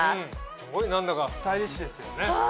すごい何だかスタイリッシュですよね。